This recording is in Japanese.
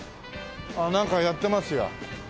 あっなんかやってますや。